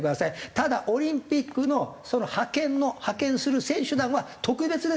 「ただオリンピックのその派遣の派遣する選手団は特別ですよ」と。